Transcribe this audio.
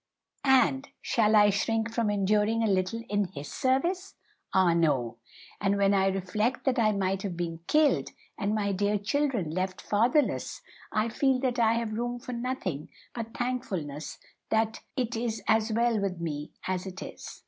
And shall I shrink from enduring a little in His service? Ah no! And when I reflect that I might have been killed, and my dear children left fatherless, I feel that I have room for nothing but thankfulness that it is as well with me as it is."